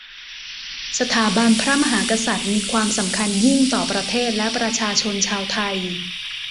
สถาบันพระมหากษัตริย์มีความสำคัญยิ่งต่อประเทศและประชาชนชาวไทย